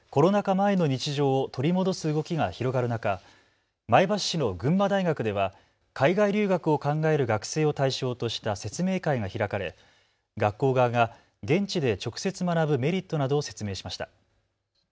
前の日常を取り戻す動きが広がる中、前橋市の群馬大学では海外留学を考える学生を対象とした説明会が開かれ学校側が現地で直接学ぶメリットなどを説明しました。